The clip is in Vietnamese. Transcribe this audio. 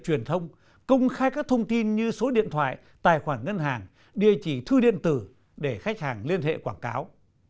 truyền thông công khai các thông tin như số điện thoại tài khoản ngân hàng địa chỉ thư điện tử để khách hàng liên hệ quảng cáo